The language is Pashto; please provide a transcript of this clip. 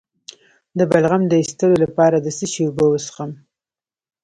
د بلغم د ایستلو لپاره د څه شي اوبه وڅښم؟